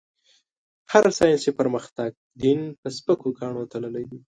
هر ساينسي پرمختګ؛ دين په سپکو کاڼو تللی دی.